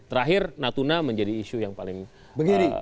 terakhir natuna menjadi isu yang paling menarik